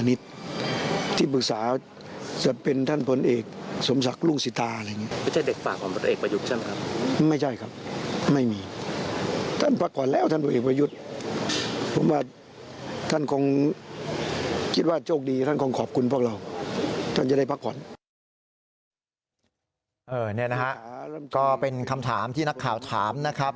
นี่นะฮะก็เป็นคำถามที่นักข่าวถามนะครับ